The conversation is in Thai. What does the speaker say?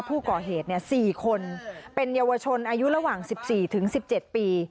ผู้ก่อเหตุ๔คนเป็นเยาวชนอายุระหว่าง๑๔ถึง๑๗ปี